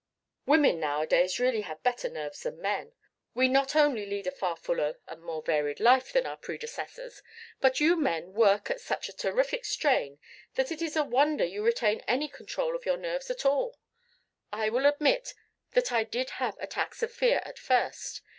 "Women nowadays really have better nerves than men. We not only lead a far fuller and more varied life than our predecessors, but you men work at such a terrific strain that it is a wonder you retain any control of your nerves at all. I will admit that I did have attacks of fear at first.